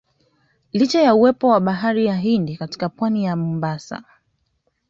Licha ya uwepo wa bahari ya Hindi katika Pwani ya Mombasa